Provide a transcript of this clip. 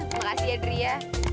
makasih andri ya